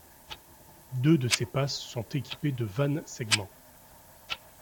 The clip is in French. Deux de ces passes sont équipées de vannes segment.